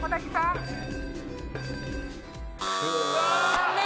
残念。